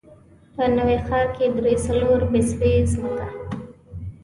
په نوي ښار کې درې، څلور بسوې ځمکه.